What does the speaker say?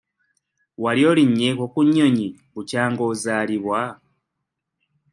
Wali olinnyeeko ku nnyonyi bukyanga ozaalibwa?